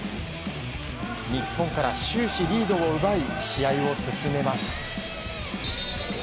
日本から終始リードを奪い試合を進めます。